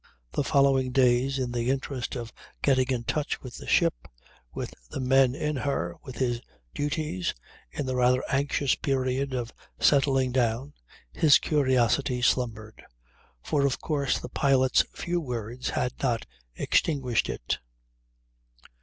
The following days, in the interest of getting in touch with the ship, with the men in her, with his duties, in the rather anxious period of settling down, his curiosity slumbered; for of course the pilot's few words had not extinguished it.